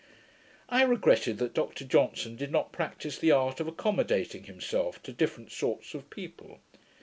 I regretted that Dr Johnson did not practice the art of accommodating himself to different sorts of people.